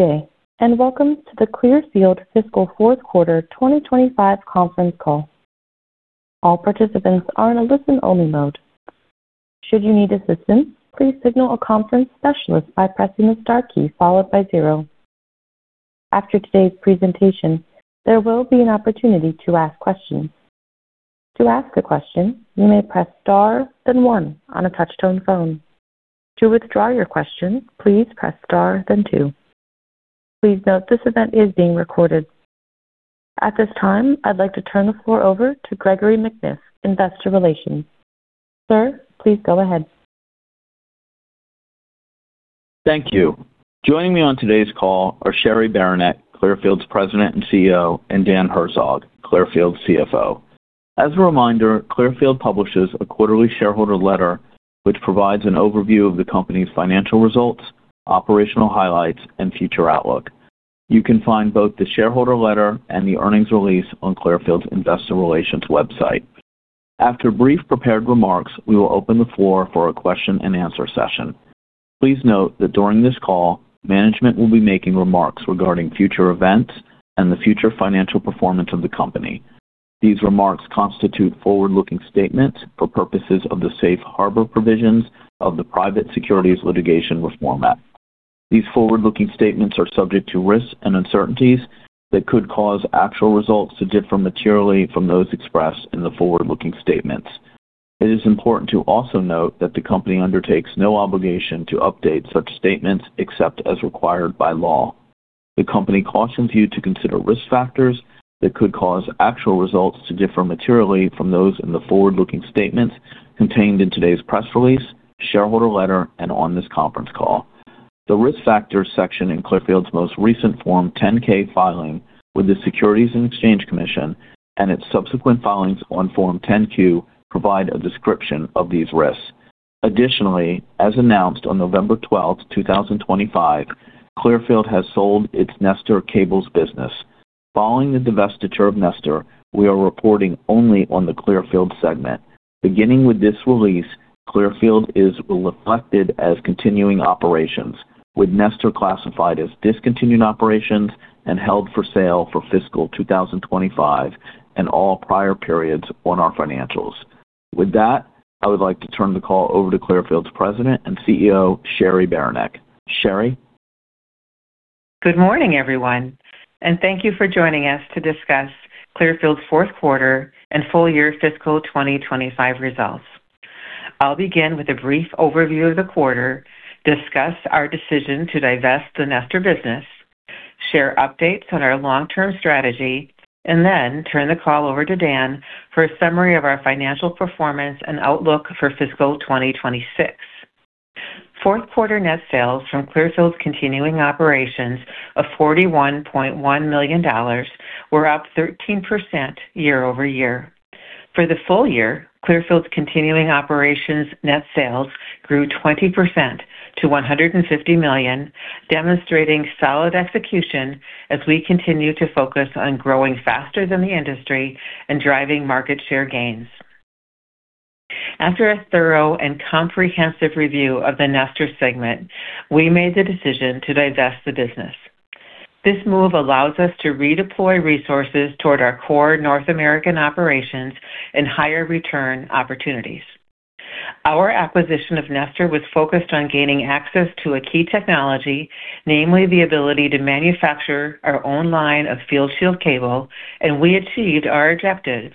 Good day, and welcome to the Clearfield Fiscal Fourth Quarter 2025 conference call. All participants are in a listen-only mode. Should you need assistance, please signal a conference specialist by pressing the star key followed by zero. After today's presentation, there will be an opportunity to ask questions. To ask a question, you may press star, then one on a touch-tone phone. To withdraw your question, please press star, then two. Please note this event is being recorded. At this time, I'd like to turn the floor over to Gregory McNiff, Investor Relations. Sir, please go ahead. Thank you. Joining me on today's call are Cheri Beranek, Clearfield's President and CEO, and Dan Herzog, Clearfield CFO. As a reminder, Clearfield publishes a quarterly shareholder letter which provides an overview of the company's financial results, operational highlights, and future outlook. You can find both the shareholder letter and the earnings release on Clearfield's Investor Relations website. After brief prepared remarks, we will open the floor for a question-and-answer session. Please note that during this call, management will be making remarks regarding future events and the future financial performance of the company. These remarks constitute forward-looking statements for purposes of the safe harbor provisions of the Private Securities Litigation Reform Act. These forward-looking statements are subject to risks and uncertainties that could cause actual results to differ materially from those expressed in the forward-looking statements. It is important to also note that the company undertakes no obligation to update such statements except as required by law. The company cautions you to consider risk factors that could cause actual results to differ materially from those in the forward-looking statements contained in today's press release, shareholder letter, and on this conference call. The risk factors section in Clearfield's most recent Form 10-K filing with the Securities and Exchange Commission and its subsequent filings on Form 10-Q provide a description of these risks. Additionally, as announced on November 12th, 2025, Clearfield has sold its Nestor Cables Business. Following the divestiture of Nestor, we are reporting only on the Clearfield segment. Beginning with this release, Clearfield is reflected as continuing operations, with Nestor classified as discontinued operations and held for sale for fiscal 2025 and all prior periods on our financials. With that, I would like to turn the call over to Clearfield's President and CEO, Cheri Beranek. Cheri? Good morning, everyone, and thank you for joining us to discuss Clearfield's fourth quarter and full-year fiscal 2025 results. I'll begin with a brief overview of the quarter, discuss our decision to divest the Nestor business, share updates on our long-term strategy, and then turn the call over to Dan for a summary of our financial performance and outlook for fiscal 2026. Fourth quarter net sales from Clearfield's continuing operations of $41.1 million were up 13% year-ove-year. For the full year, Clearfield's continuing operations net sales grew 20% to $150 million, demonstrating solid execution as we continue to focus on growing faster than the industry and driving market share gains. After a thorough and comprehensive review of the Nestor segment, we made the decision to divest the business. This move allows us to redeploy resources toward our core North American operations and higher return opportunities. Our acquisition of Nestor was focused on gaining access to a key technology, namely the ability to manufacture our own line of FieldShield Cable, and we achieved our objective.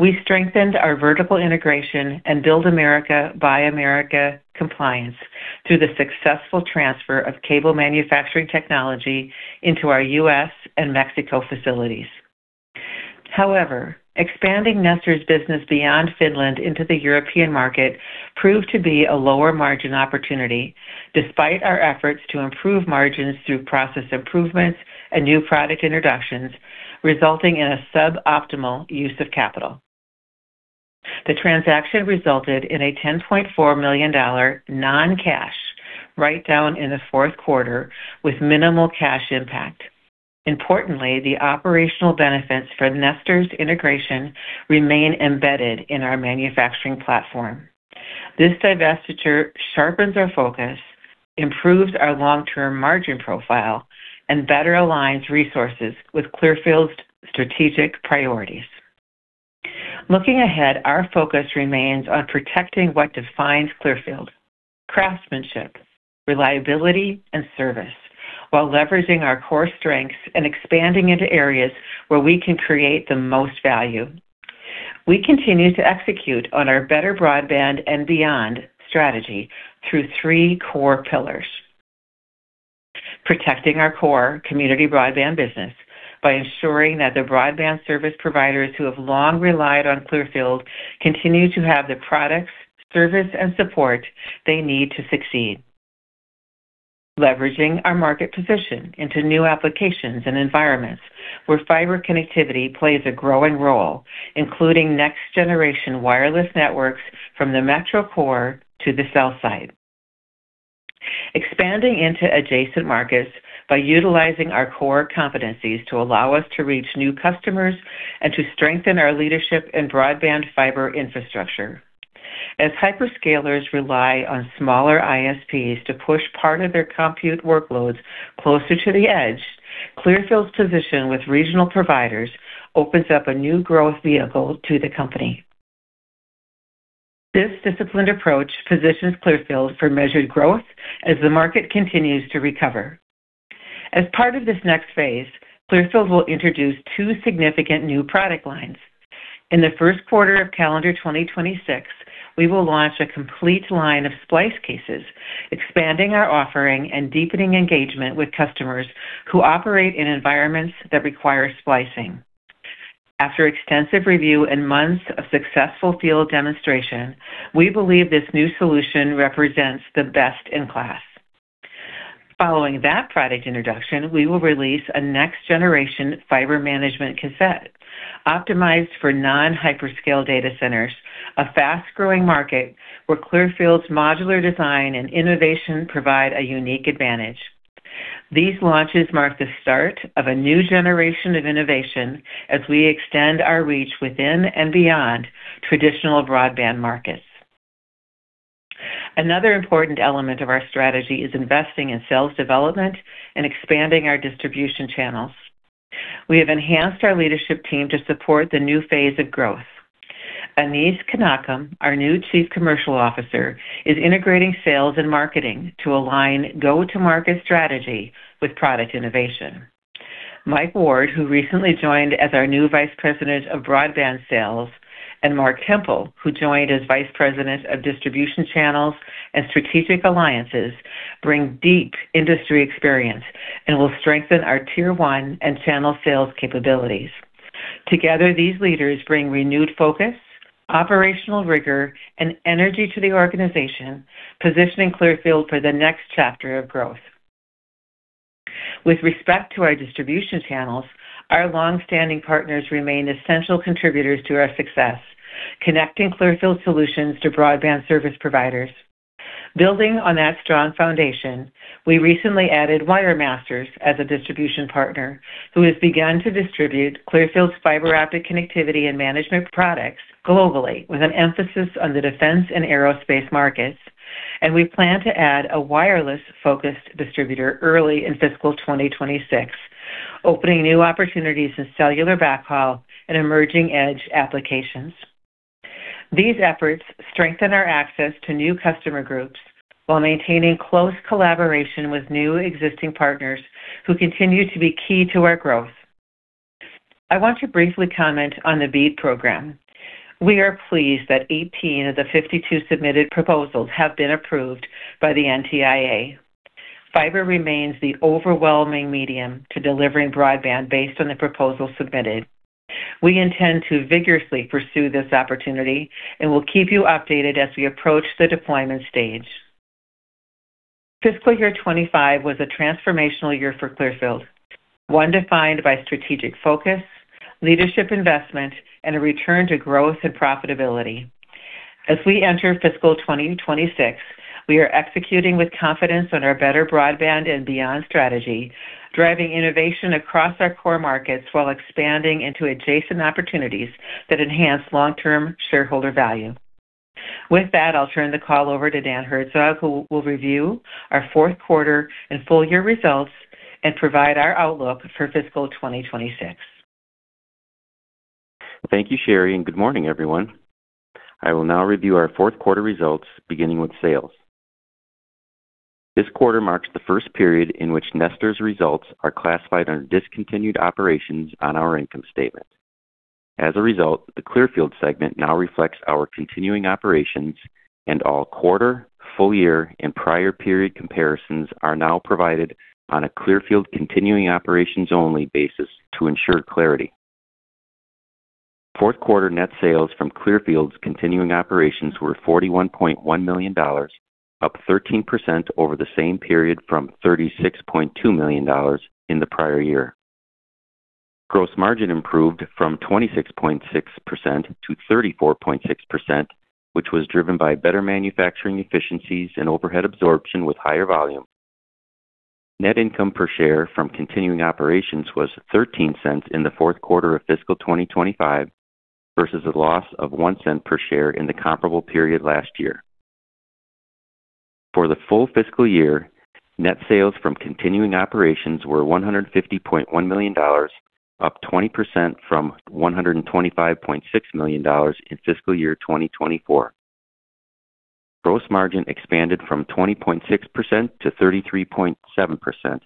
We strengthened our vertical integration and Build America, Buy America compliance through the successful transfer of cable manufacturing technology into our U.S. and Mexico facilities. However, expanding Nestor's business beyond Finland into the European market proved to be a lower margin opportunity, despite our efforts to improve margins through process improvements and new product introductions, resulting in a suboptimal use of capital. The transaction resulted in a $10.4 million non-cash write-down in the fourth quarter with minimal cash impact. Importantly, the operational benefits for Nestor's integration remain embedded in our manufacturing platform. This divestiture sharpens our focus, improves our long-term margin profile, and better aligns resources with Clearfield's strategic priorities. Looking ahead, our focus remains on protecting what defines Clearfield: craftsmanship, reliability, and service, while leveraging our core strengths and expanding into areas where we can create the most value. We continue to execute on our Better Broadband and Beyond strategy through three core pillars: protecting our core community broadband business by ensuring that the broadband service providers who have long relied on Clearfield continue to have the products, service, and support they need to succeed; leveraging our market position into new applications and environments where fiber connectivity plays a growing role, including next-generation wireless networks from the metro core to the cell site; expanding into adjacent markets by utilizing our core competencies to allow us to reach new customers and to strengthen our leadership in broadband fiber infrastructure. As hyperscalers rely on smaller ISPs to push part of their compute workloads closer to the edge, Clearfield's position with regional providers opens up a new growth vehicle to the company. This disciplined approach positions Clearfield for measured growth as the market continues to recover. As part of this next phase, Clearfield will introduce two significant new product lines. In the first quarter of calendar 2026, we will launch a complete line of splice cases, expanding our offering and deepening engagement with customers who operate in environments that require splicing. After extensive review and months of successful field demonstration, we believe this new solution represents the best in class. Following that product introduction, we will release a next-generation fiber management cassette optimized for non-hyperscale data centers, a fast-growing market where Clearfield's modular design and innovation provide a unique advantage. These launches mark the start of a new generation of innovation as we extend our reach within and beyond traditional broadband markets. Another important element of our strategy is investing in sales development and expanding our distribution channels. We have enhanced our leadership team to support the new phase of growth. Anis Khemakhem, our new Chief Commercial Officer, is integrating sales and marketing to align go-to-market strategy with product innovation. Mike Ward, who recently joined as our new Vice President of Broadband Sales, and Marc Temple, who joined as Vice President of Distribution Channels and Strategic Alliances, bring deep industry experience and will strengthen our tier-one and channel sales capabilities. Together, these leaders bring renewed focus, operational rigor, and energy to the organization, positioning Clearfield for the next chapter of growth. With respect to our distribution channels, our longstanding partners remain essential contributors to our success, connecting Clearfield solutions to broadband service providers. Building on that strong foundation, we recently added WireMasters as a distribution partner who has begun to distribute Clearfield's fiber optic connectivity and management products globally with an emphasis on the defense and aerospace markets, and we plan to add a wireless-focused distributor early in fiscal 2026, opening new opportunities in cellular backhaul and emerging edge applications. These efforts strengthen our access to new customer groups while maintaining close collaboration with new existing partners who continue to be key to our growth. I want to briefly comment on the BEAD program. We are pleased that 18 of the 52 submitted proposals have been approved by the NTIA. Fiber remains the overwhelming medium to delivering broadband based on the proposal submitted. We intend to vigorously pursue this opportunity and will keep you updated as we approach the deployment stage. Fiscal year 2025 was a transformational year for Clearfield, one defined by strategic focus, leadership investment, and a return to growth and profitability. As we enter fiscal 2026, we are executing with confidence on our Better Broadband and Beyond strategy, driving innovation across our core markets while expanding into adjacent opportunities that enhance long-term shareholder value. With that, I'll turn the call over to Dan Herzog, who will review our fourth quarter and full-year results and provide our outlook for fiscal 2026. Thank you, Cheri, and good morning, everyone. I will now review our fourth quarter results, beginning with sales. This quarter marks the first period in which Nestor's results are classified under discontinued operations on our income statement. As a result, the Clearfield segment now reflects our continuing operations, and all quarter, full-year, and prior period comparisons are now provided on a Clearfield continuing operations-only basis to ensure clarity. Fourth quarter net sales from Clearfield's continuing operations were $41.1 million, up 13% over the same period from $36.2 million in the prior year. Gross margin improved from 26.6%-34.6%, which was driven by better manufacturing efficiencies and overhead absorption with higher volume. Net income per share from continuing operations was $0.13 in the fourth quarter of fiscal 2025 versus a loss of $0.01 per share in the comparable period last year. For the full fiscal year, net sales from continuing operations were $150.1 million, up 20% from $125.6 million in fiscal year 2024. Gross margin expanded from 20.6%-33.7%,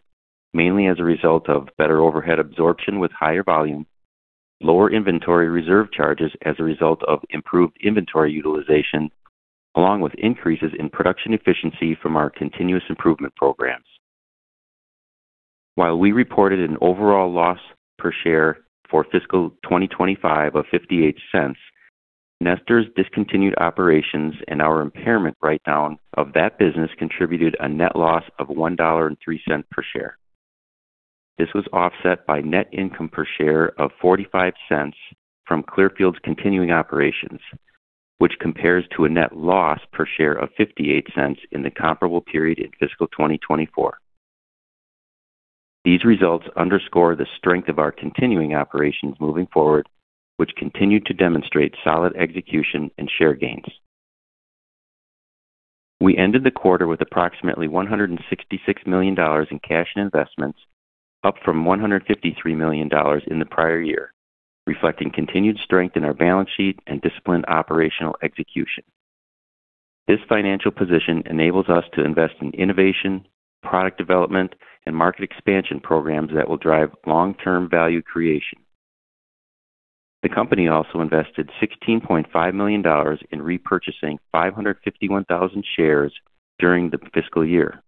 mainly as a result of better overhead absorption with higher volume, lower inventory reserve charges as a result of improved inventory utilization, along with increases in production efficiency from our continuous improvement programs. While we reported an overall loss per share for fiscal 2025 of $0.58, Nestor's discontinued operations and our impairment write-down of that business contributed a net loss of $1.03 per share. This was offset by net income per share of $0.45 from Clearfield's continuing operations, which compares to a net loss per share of $0.58 in the comparable period in fiscal 2024. These results underscore the strength of our continuing operations moving forward, which continue to demonstrate solid execution and share gains. We ended the quarter with approximately $166 million in cash and investments, up from $153 million in the prior year, reflecting continued strength in our balance sheet and disciplined operational execution. This financial position enables us to invest in innovation, product development, and market expansion programs that will drive long-term value creation. The company also invested $16.5 million in repurchasing $551,000 shares during the fiscal year.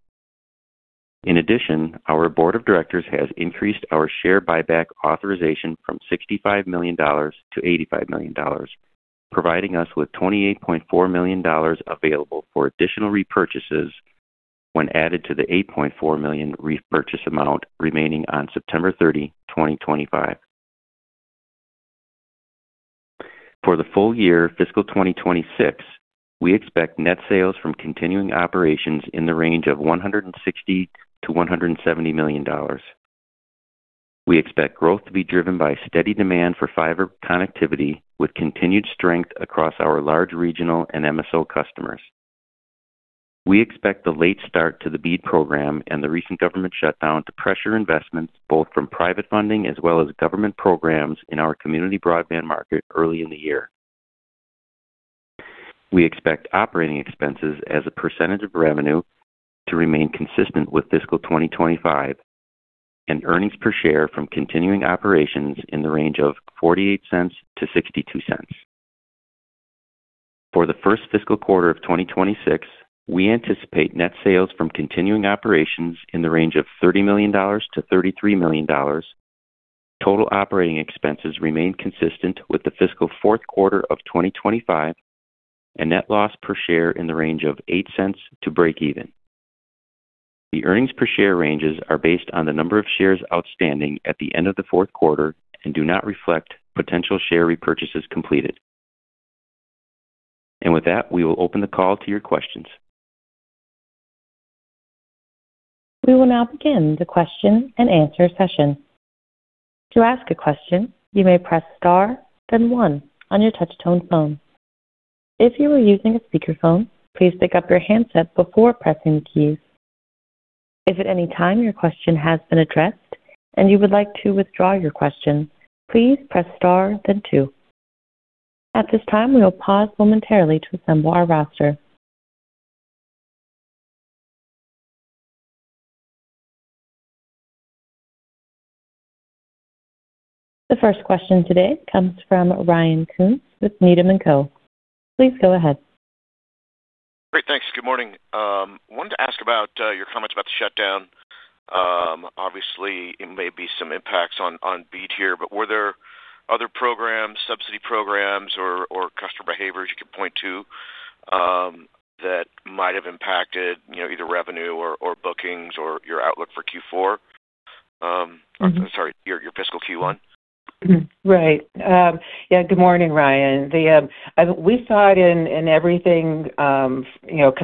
In addition, our board of directors has increased our share buyback authorization from $65 million-$85 million, providing us with $28.4 million available for additional repurchases when added to the $8.4 million repurchase amount remaining on September 30, 2025. For the full year, fiscal 2026, we expect net sales from continuing operations in the range of $160-$170 million. We expect growth to be driven by steady demand for fiber connectivity with continued strength across our large regional and MSO customers. We expect the late start to the BEAD program and the recent government shutdown to pressure investments both from private funding as well as government programs in our community broadband market early in the year. We expect operating expenses as a percentage of revenue to remain consistent with fiscal 2025 and earnings per share from continuing operations in the range of $0.48-$0.62. For the first fiscal quarter of 2026, we anticipate net sales from continuing operations in the range of $30 million-$33 million. Total operating expenses remain consistent with the fiscal fourth quarter of 2025 and net loss per share in the range of $0.08 to break-even. The earnings per share ranges are based on the number of shares outstanding at the end of the fourth quarter and do not reflect potential share repurchases completed. With that, we will open the call to your questions. We will now begin the question and answer session. To ask a question, you may press star, then one on your touch-tone phone. If you are using a speakerphone, please pick up your handset before pressing the keys. If at any time your question has been addressed and you would like to withdraw your question, please press star, then two. At this time, we will pause momentarily to assemble our roster. The first question today comes from Ryan Koontz with Needham & Co. Please go ahead. Great. Thanks. Good morning. I wanted to ask about your comments about the shutdown. Obviously, it may be some impacts on BEAD here, but were there other programs, subsidy programs, or customer behaviors you could point to that might have impacted either revenue or bookings or your outlook for Q4? I'm sorry, your fiscal Q1. Right. Yeah. Good morning, Ryan. We saw it in everything kind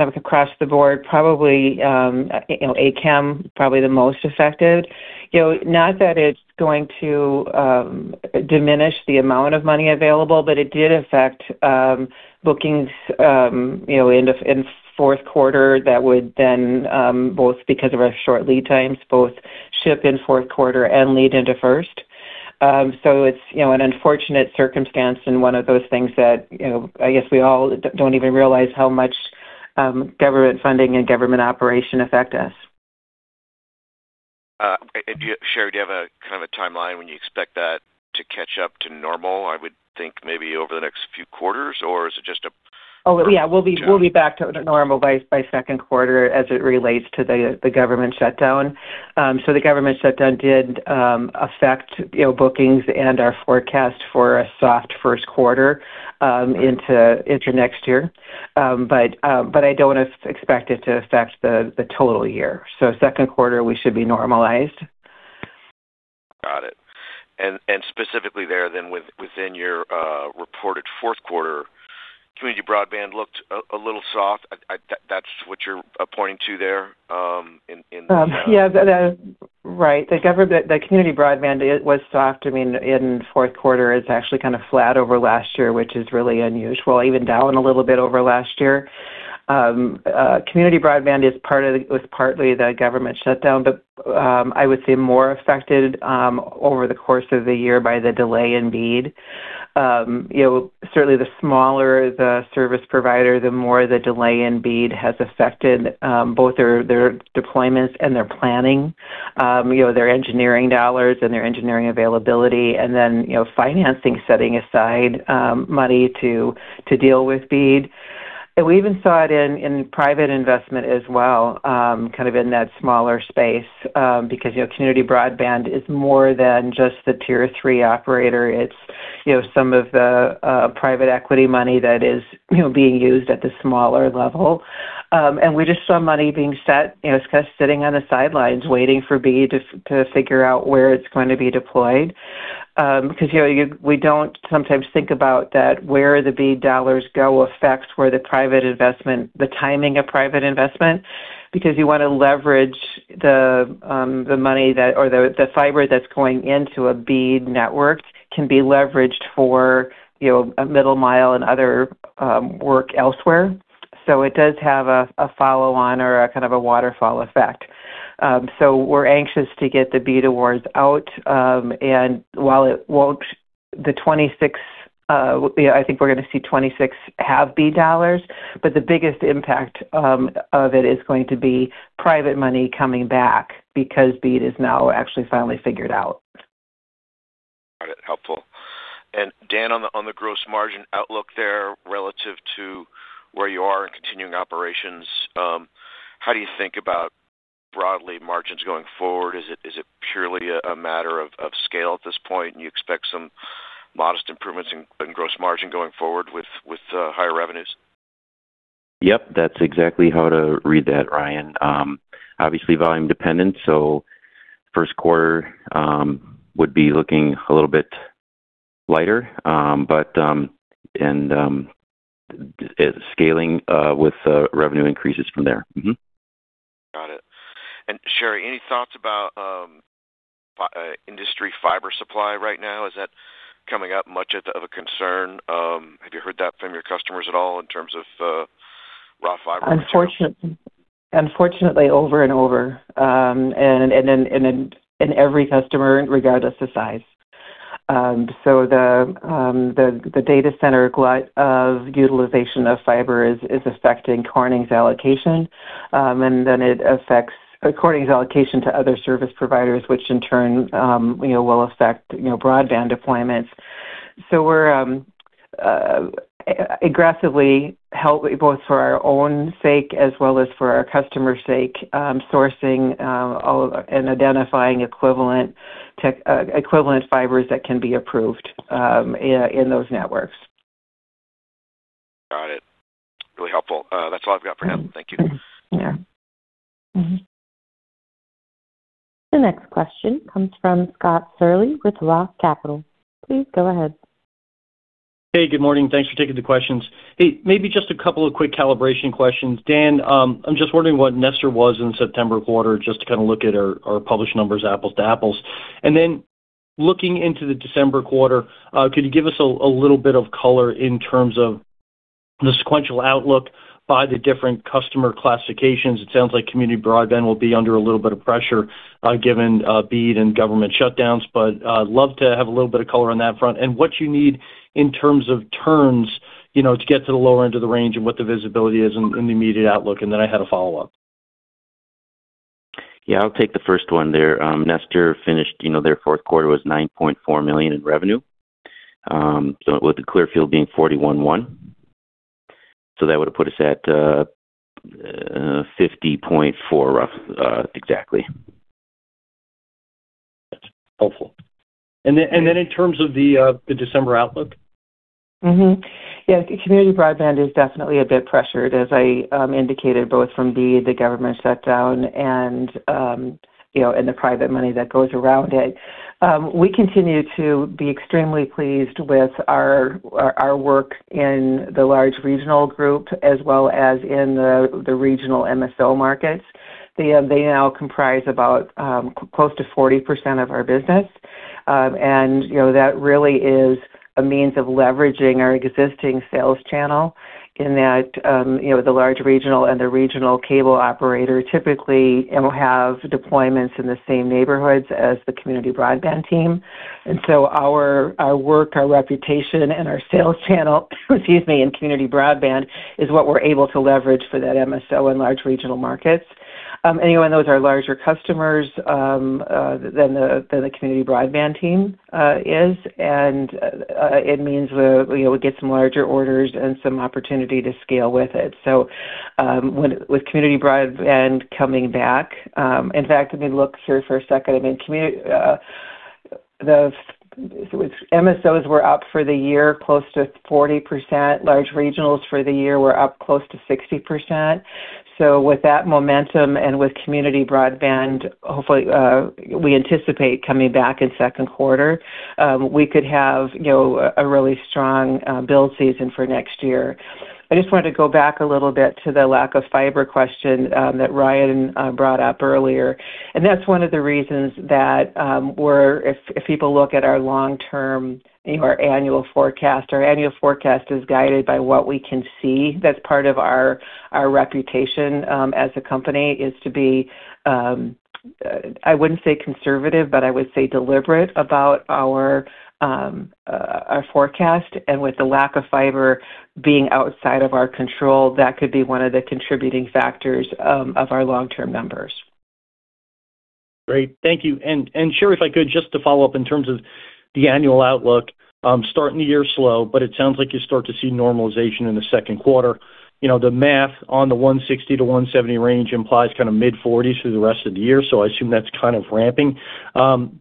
of across the board, probably ACAM, probably the most affected. Not that it's going to diminish the amount of money available, but it did affect bookings in fourth quarter that would then, both because of our short lead times, both ship in fourth quarter and lead into first. It is an unfortunate circumstance and one of those things that I guess we all do not even realize how much government funding and government operation affect us. Cheri, do you have a kind of a timeline when you expect that to catch up to normal? I would think maybe over the next few quarters, or is it just a-? Oh, yeah. We'll be back to normal by second quarter as it relates to the government shutdown. The government shutdown did affect bookings and our forecast for a soft first quarter into next year, but I don't expect it to affect the total year. Second quarter, we should be normalized. Got it. Specifically there then within your reported fourth quarter, community broadband looked a little soft. That's what you're pointing to there in the-? Yeah. Right. The community broadband was soft. I mean, in fourth quarter, it's actually kind of flat over last year, which is really unusual, even down a little bit over last year. Community broadband was partly the government shutdown, but I would say more affected over the course of the year by the delay in BEAD. Certainly, the smaller the service provider, the more the delay in BEAD has affected both their deployments and their planning, their engineering dollars and their engineering availability, and then financing setting aside money to deal with BEAD. We even saw it in private investment as well, kind of in that smaller space, because community broadband is more than just the tier-three operator. It's some of the private equity money that is being used at the smaller level. We just saw money being sitting on the sidelines waiting for BEAD to figure out where it's going to be deployed. Sometimes we don't think about that, where the BEAD dollars go affects where the private investment, the timing of private investment, because you want to leverage the money or the fiber that's going into a BEAD network can be leveraged for a middle mile and other work elsewhere. It does have a follow-on or a kind of a waterfall effect. We're anxious to get the BEAD awards out. While it won't be 2026, I think we're going to see 2026 have BEAD dollars, but the biggest impact of it is going to be private money coming back because BEAD is now actually finally figured out. Got it. Helpful. Dan, on the gross margin outlook there relative to where you are in continuing operations, how do you think about broadly margins going forward? Is it purely a matter of scale at this point, and you expect some modest improvements in gross margin going forward with higher revenues? Yep. That's exactly how to read that, Ryan. Obviously, volume dependent. First quarter would be looking a little bit lighter, but scaling with revenue increases from there. Got it. Cheri, any thoughts about industry fiber supply right now? Is that coming up much of a concern? Have you heard that from your customers at all in terms of raw fiber? Unfortunately, over and over, and in every customer, regardless of size. The data center utilization of fiber is affecting Corning's allocation, and then it affects Corning's allocation to other service providers, which in turn will affect broadband deployments. We are aggressively helping both for our own sake as well as for our customer's sake, sourcing and identifying equivalent fibers that can be approved in those networks. Got it. Really helpful. That's all I've got for now. Thank you. Yeah. The next question comes from Scott Searle with Roth Capital. Please go ahead. Hey, good morning. Thanks for taking the questions. Hey, maybe just a couple of quick calibration questions. Dan, I'm just wondering what Nestor was in September quarter just to kind of look at our published numbers, apples to apples. Looking into the December quarter, could you give us a little bit of color in terms of the sequential outlook by the different customer classifications? It sounds like community broadband will be under a little bit of pressure given BEAD and government shutdowns, but I'd love to have a little bit of color on that front. What you need in terms of turns to get to the lower end of the range and what the visibility is in the immediate outlook? I had a follow-up. Yeah. I'll take the first one there. Nestor finished their fourth quarter was $9.4 million in revenue, with the Clearfield being $41.1 million. So that would have put us at $50.4 million rough exactly. Got it. Helpful. In terms of the December outlook? Yeah. Community broadband is definitely a bit pressured, as I indicated, both from BEAD, the government shutdown, and the private money that goes around it. We continue to be extremely pleased with our work in the large regional group as well as in the regional MSO markets. They now comprise about close to 40% of our business. That really is a means of leveraging our existing sales channel in that the large regional and the regional cable operator typically will have deployments in the same neighborhoods as the community broadband team. Our work, our reputation, and our sales channel, excuse me, in community broadband is what we're able to leverage for that MSO and large regional markets. Anyone with our larger customers than the community broadband team is. It means we get some larger orders and some opportunity to scale with it. With community broadband coming back, in fact, let me look here for a second. I mean, the MSOs were up for the year close to 40%. Large regionals for the year were up close to 60%. With that momentum and with community broadband, hopefully, we anticipate coming back in second quarter, we could have a really strong build season for next year. I just wanted to go back a little bit to the lack of fiber question that Ryan brought up earlier. That's one of the reasons that if people look at our long-term or annual forecast, our annual forecast is guided by what we can see. That's part of our reputation as a company is to be, I wouldn't say conservative, but I would say deliberate about our forecast. With the lack of fiber being outside of our control, that could be one of the contributing factors of our long-term numbers. Great. Thank you. Cheri, if I could, just to follow up in terms of the annual outlook, starting the year slow, but it sounds like you start to see normalization in the second quarter. The math on the $160-$170 range implies kind of mid-40s through the rest of the year. I assume that's kind of ramping. I'm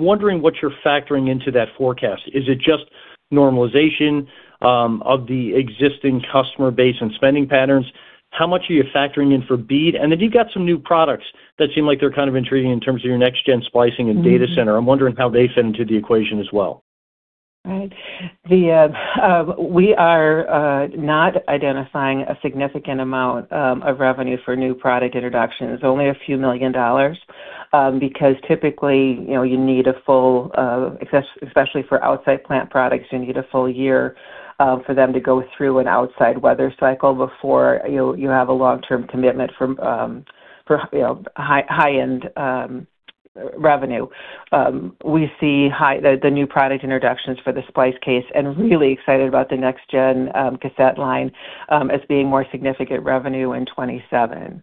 wondering what you're factoring into that forecast. Is it just normalization of the existing customer base and spending patterns? How much are you factoring in for BEAD? You have some new products that seem like they're kind of intriguing in terms of your next-gen splicing and data center. I'm wondering how they fit into the equation as well. Right. We are not identifying a significant amount of revenue for new product introductions. Only a few million dollars because typically you need a full, especially for outside plant products, you need a full year for them to go through an outside weather cycle before you have a long-term commitment for high-end revenue. We see the new product introductions for the splice case and really excited about the next-gen cassette line as being more significant revenue in 2027.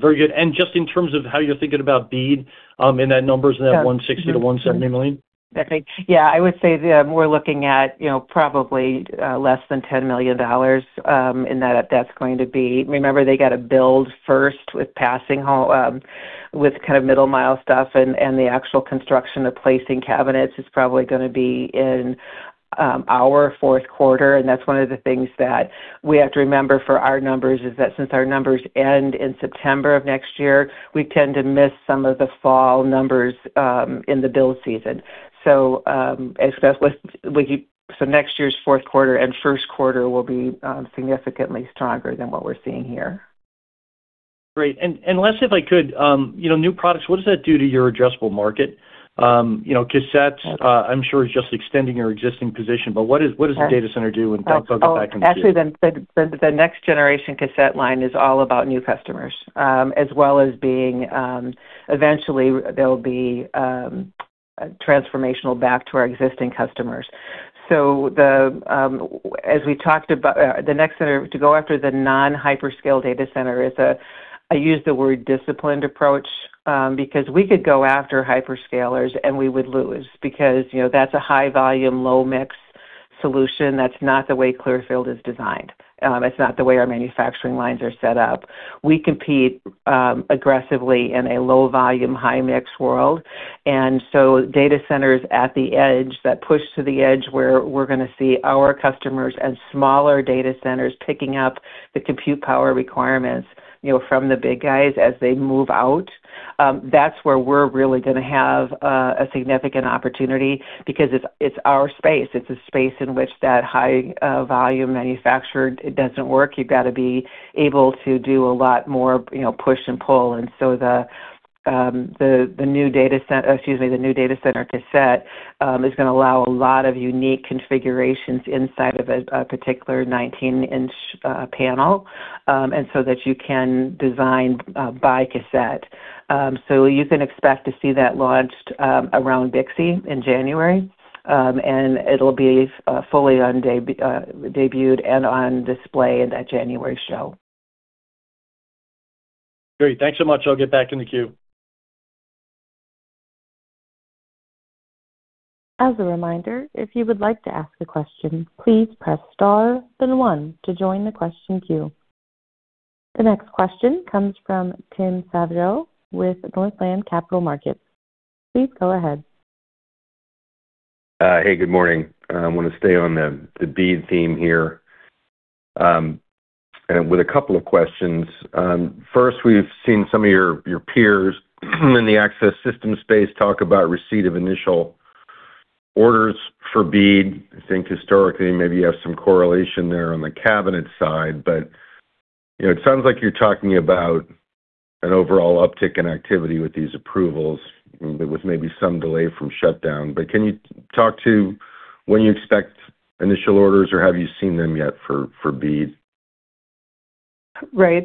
Very good. In terms of how you're thinking about BEAD in that numbers and that $160 million-$170 million? Yeah. I would say we're looking at probably less than $10 million in that that's going to be. Remember, they got to build first with kind of middle-mile stuff, and the actual construction of placing cabinets is probably going to be in our fourth quarter. That's one of the things that we have to remember for our numbers is that since our numbers end in September of next year, we tend to miss some of the fall numbers in the build season. Next year's fourth quarter and first quarter will be significantly stronger than what we're seeing here. Great. Lastly, if I could, new products, what does that do to your addressable market? Cassettes, I'm sure it's just extending your existing position, but what does the data center do when folks go back and see? Actually, the next-generation cassette line is all about new customers as well as being eventually there'll be a transformational back to our existing customers. As we talked about, the next center to go after the non-hyperscale data center is a—I use the word disciplined approach because we could go after hyperscalers and we would lose because that's a high-volume, low-mix solution. That's not the way Clearfield is designed. It's not the way our manufacturing lines are set up. We compete aggressively in a low-volume, high-mix world. Data centers at the edge that push to the edge where we're going to see our customers and smaller data centers picking up the compute power requirements from the big guys as they move out, that's where we're really going to have a significant opportunity because it's our space. It's a space in which that high-volume manufacturer doesn't work. You've got to be able to do a lot more push and pull. The new data center—excuse me, the new data center cassette is going to allow a lot of unique configurations inside of a particular 19-inch panel so that you can design by cassette. You can expect to see that launched around Bixby in January, and it'll be fully undebuted and on display in that January show. Great. Thanks so much. I'll get back in the queue. As a reminder, if you would like to ask a question, please press star, then one to join the question queue. The next question comes from Tim Savageaux with Northland Capital Markets. Please go ahead. Hey, good morning. I want to stay on the BEAD theme here with a couple of questions. First, we've seen some of your peers in the access system space talk about receipt of initial orders for BEAD. I think historically, maybe you have some correlation there on the cabinet side, but it sounds like you're talking about an overall uptick in activity with these approvals, with maybe some delay from shutdown. Can you talk to when you expect initial orders, or have you seen them yet for BEAD? Right.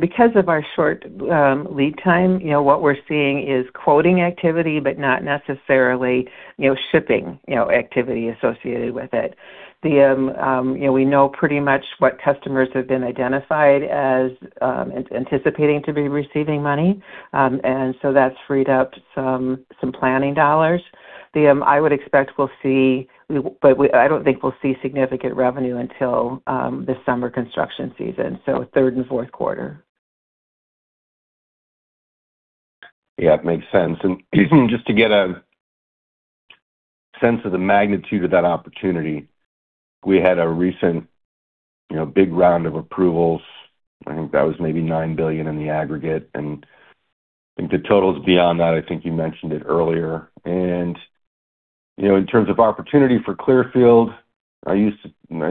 Because of our short lead time, what we're seeing is quoting activity, but not necessarily shipping activity associated with it. We know pretty much what customers have been identified as anticipating to be receiving money. And so that's freed up some planning dollars. I would expect we'll see—I don't think we'll see significant revenue until the summer construction season, so third and fourth quarter. Yeah. It makes sense. Just to get a sense of the magnitude of that opportunity, we had a recent big round of approvals. I think that was maybe $9 billion in the aggregate. I think the total is beyond that. I think you mentioned it earlier. In terms of opportunity for Clearfield, I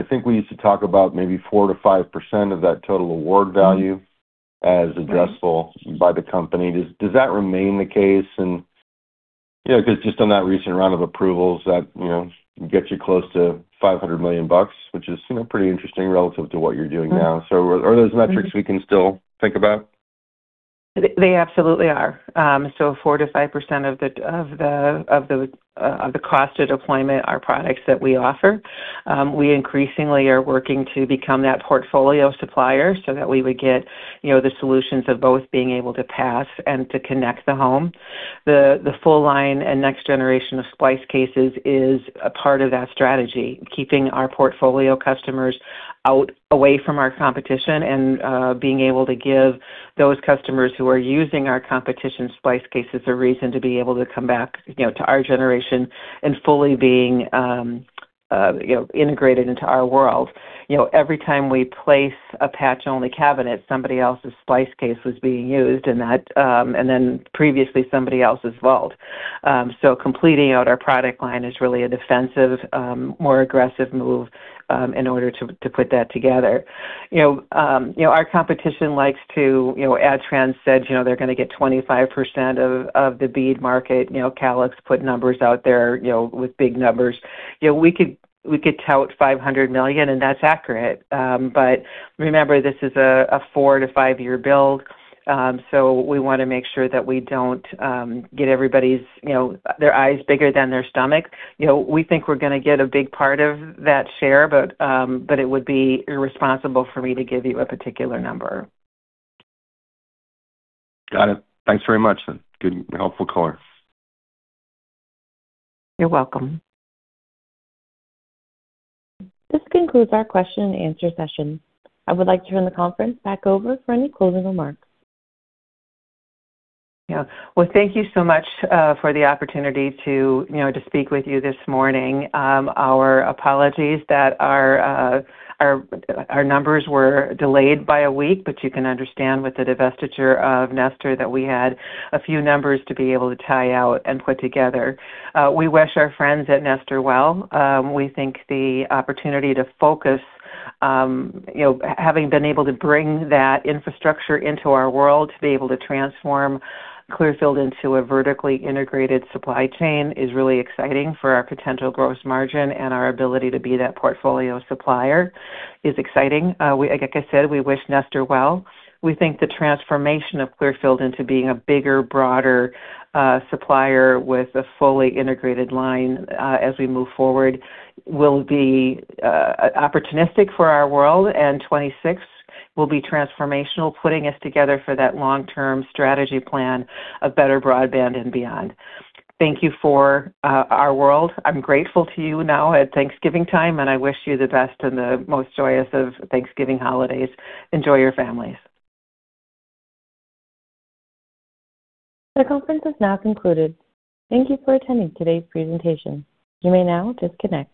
think we used to talk about maybe 4-5% of that total award value as addressable by the company. Does that remain the case? Yeah, because just on that recent round of approvals, that gets you close to $500 million, which is pretty interesting relative to what you are doing now. Are those metrics we can still think about? They absolutely are. 4-5% of the cost of deployment are products that we offer. We increasingly are working to become that portfolio supplier so that we would get the solutions of both being able to pass and to connect the home. The full line and next generation of splice cases is a part of that strategy, keeping our portfolio customers away from our competition and being able to give those customers who are using our competition splice cases a reason to be able to come back to our generation and fully being integrated into our world. Every time we place a patch-only cabinet, somebody else's splice case was being used, and then previously somebody else's vault. Completing out our product line is really a defensive, more aggressive move in order to put that together. Our competition likes to—Adtran said they're going to get 25% of the BEAD market. Calix put numbers out there with big numbers. We could tout $500 million, and that's accurate. Remember, this is a four- to five-year build. We want to make sure that we don't get everybody's eyes bigger than their stomach. We think we're going to get a big part of that share, but it would be irresponsible for me to give you a particular number. Got it. Thanks very much. Good, helpful color. You're welcome. This concludes our question-and-answer session. I would like to turn the conference back over for any closing remarks. Yeah. Thank you so much for the opportunity to speak with you this morning. Our apologies that our numbers were delayed by a week, but you can understand with the divestiture of Nestor that we had a few numbers to be able to tie out and put together. We wish our friends at Nestor well. We think the opportunity to focus, having been able to bring that infrastructure into our world, to be able to transform Clearfield into a vertically integrated supply chain is really exciting for our potential gross margin, and our ability to be that portfolio supplier is exciting. Like I said, we wish Nestor well. We think the transformation of Clearfield into being a bigger, broader supplier with a fully integrated line as we move forward will be opportunistic for our world, and 2026 will be transformational, putting us together for that long-term strategy plan of better broadband and beyond. Thank you for our world. I'm grateful to you now at Thanksgiving time, and I wish you the best and the most joyous of Thanksgiving holidays. Enjoy your families. The conference has now concluded. Thank you for attending today's presentation. You may now disconnect.